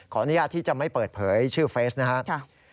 อนุญาตที่จะไม่เปิดเผยชื่อเฟสนะครับ